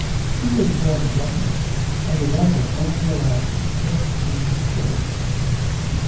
He was born a gentleman, and his uncle only allows him fifteen shillings a week.